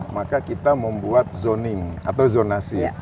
maka kita membuat zoning atau zonasi